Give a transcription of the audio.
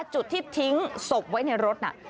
จุดที่ทิ้งศพไว้ในรถน่ะ